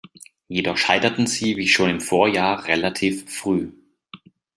Jedoch scheiterten sie wie schon im Vorjahr relativ früh.